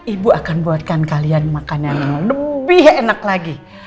ibu akan buatkan kalian makanan yang lebih enak lagi